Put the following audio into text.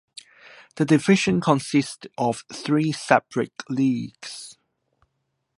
The division consisted of three separate leagues.